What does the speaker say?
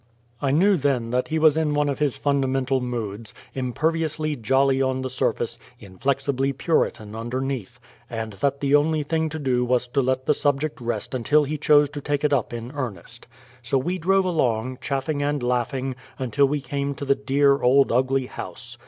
I knew then that he was in one of his fundamental moods, imperviously jolly on the surface, inflexibly Puritan underneath, and that the only thing to do was to let the subject rest until he chose to take it up in earnest. So we drove along, chaffing and laughing, until we came to the dear, old, ugly house.